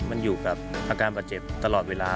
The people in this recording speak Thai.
มันอยู่กับอาการบาดเจ็บตลอดเวลา